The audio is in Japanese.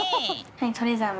はい。